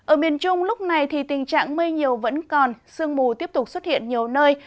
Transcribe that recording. ở miền trung lúc này thì tình trạng mây nhiều vẫn còn sương mù tiếp tục xuất hiện nhiều nơi